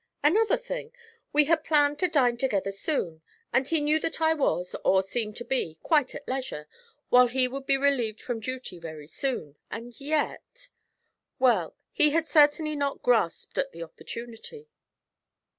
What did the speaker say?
Another thing, we had planned to dine together soon, and he knew that I was, or seemed to be, quite at leisure, while he would be relieved from duty very soon, and yet well, he had certainly not grasped at the opportunity.